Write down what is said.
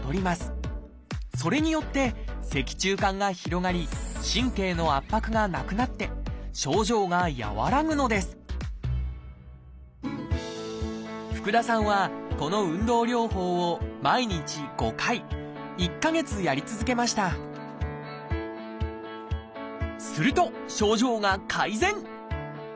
それによって脊柱管が広がり神経の圧迫がなくなって症状が和らぐのです福田さんはこの運動療法を毎日５回１か月やり続けましたすると症状が改善！